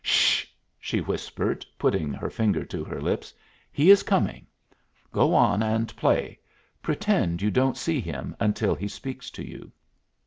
"Sh!" she whispered, putting her finger to her lips. "He is coming go on and play. Pretend you don't see him until he speaks to you."